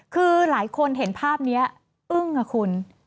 คือหลายคนเห็นภาพนี้อึ้งค่ะคุณ